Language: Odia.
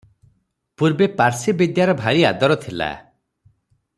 "ପୂର୍ବେ ପାର୍ସିବିଦ୍ୟାର ଭାରି ଆଦର ଥିଲା ।